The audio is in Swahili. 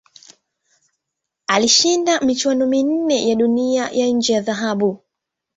Alishinda michuano minne ya Dunia ya nje ya dhahabu.